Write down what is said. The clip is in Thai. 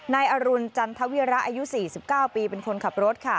นายอรุณจันทวิระอายุ๔๙ปีเป็นคนขับรถค่ะ